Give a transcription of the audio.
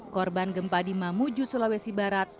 korban gempa di mamuju sulawesi barat